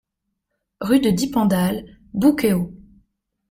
Rue de Dippendal, Bouquehault